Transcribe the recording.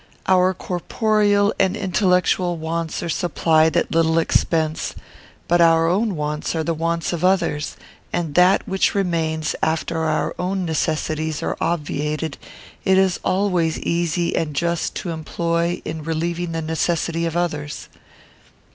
Our corporeal and intellectual wants are supplied at little expense; but our own wants are the wants of others, and that which remains, after our own necessities are obviated, it is always easy and just to employ in relieving the necessities of others.